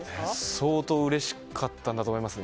相当うれしかったんだと思いますね。